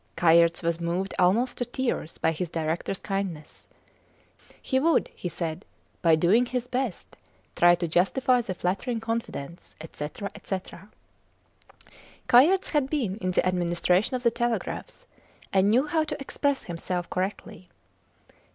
Kayerts was moved almost to tears by his directors kindness. He would, he said, by doing his best, try to justify the flattering confidence, &c., &c. Kayerts had been in the Administration of the Telegraphs, and knew how to express himself correctly.